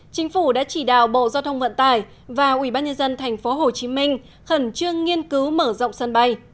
chính phủ đã chỉ đạo bộ giao thông vận tải và ủy ban nhân dân tp hcm khẩn trương nghiên cứu mở rộng sân bay